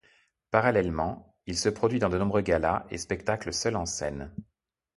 Parallèlement, il se produit dans de nombreux galas et spectacles seul en scène.